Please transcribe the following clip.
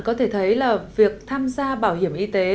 có thể thấy là việc tham gia bảo hiểm y tế